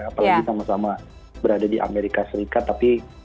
apalagi sama sama berada di amerika serikat tapi